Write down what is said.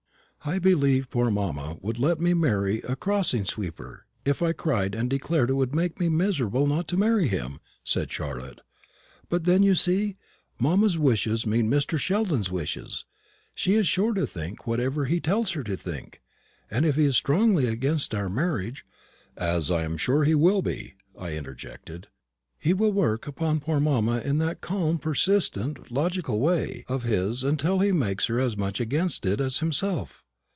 "I believe poor mamma would let me marry a crossing sweeper, if I cried and declared it would make me miserable not to marry him," said Charlotte; "but then, you see, mamma's wishes mean Mr. Sheldon's wishes; she is sure to think whatever he tells her to think; and if he is strongly against our marriage " "As I am sure he will be," I interjected. "He will work upon poor mamma in that calm, persistent, logical way of his till he makes her as much against it as himself."